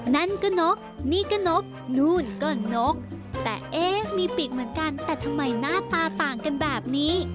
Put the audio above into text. นั่นก็นกนี่ก็นกนู่นก็นกแต่เอ๊ะมีปีกเหมือนกันแต่ทำไมหน้าตาต่างกันแบบนี้